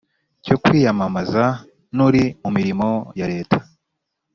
Cyo kwiyamamaza n uri mu mirimo ya leta